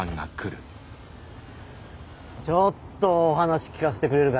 ちょっとお話聞かせてくれるかな。